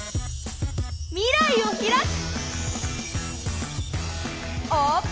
未来をひらく！